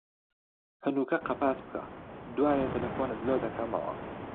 هەنووکە قەپات بکە، دوایێ تەلەفۆنت لۆ دەکەمەوە.